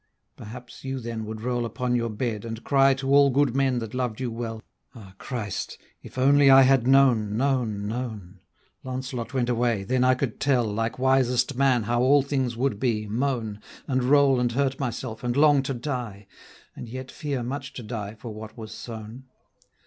Perhaps you then would roll upon your bed, And cry to all good men that loved you well, 'Ah Christ! if only I had known, known, known;' Launcelot went away, then I could tell, Like wisest man how all things would be, moan, And roll and hurt myself, and long to die, And yet fear much to die for what was sown.